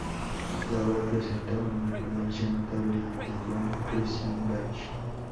La obra presenta una influencia notable de Johann Christian Bach.